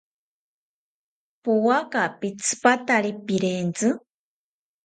Powaka pitzipatari pirentzi